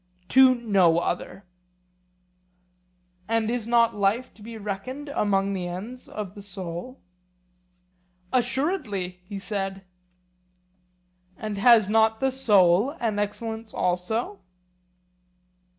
To no other. And is not life to be reckoned among the ends of the soul? Assuredly, he said. And has not the soul an excellence also?